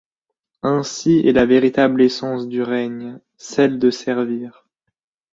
Ainsi est la véritable essence du règne : celle de servir.